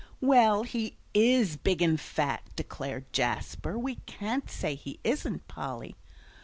"Well, he is big and fat," declared Jasper. "We can't say he isn't, Polly."